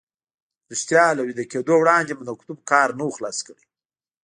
رښتیا له ویده کېدو وړاندې مو د مکتوب کار نه و خلاص کړی.